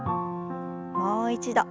もう一度。